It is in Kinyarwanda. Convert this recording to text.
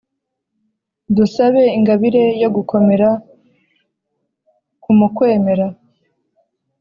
dusabe ingabire yo gukomera ku mu kwemera